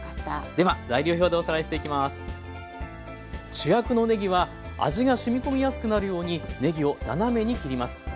主役のねぎは味がしみこみやすくなるようにねぎを斜めに切ります。